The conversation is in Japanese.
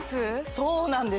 そうなんです